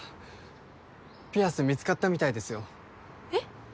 ピアス見つかったみたいですよえっ？